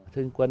thứ sinh quân